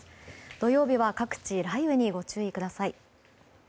土曜日は各地、雷雨にご注意ください。